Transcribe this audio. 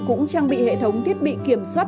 cũng trang bị hệ thống thiết bị kiểm soát